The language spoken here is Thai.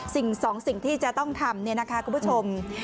สิ่งสองสิ่งที่จะต้องทำเนี่ยนะคะคุณผู้ชม